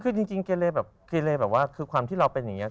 คือจริงเกเลแบบเกเลแบบว่าคือความที่เราเป็นอย่างนี้